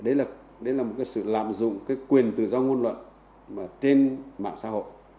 đấy là một cái sự lạm dụng cái quyền tự do ngôn luận trên mạng xã hội